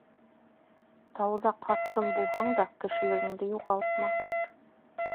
Тауҙа ҡасҡын булһаң да, кешелегеңде юғалтма.